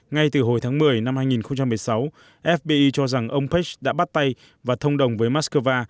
ngay từ hồi tháng một mươi năm hai nghìn một mươi sáu fbi cho rằng ông pich đã bắt tay và thông đồng với moscow